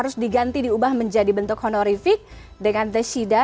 harus diganti diubah menjadi bentuk honorific dengan teshida